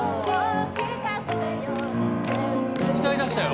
歌いだしたよ。